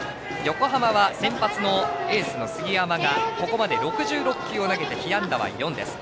横浜は先発のエースの杉山がここまで６６球を投げて被安打４。